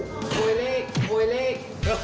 โคยเล็กโคยเล็ก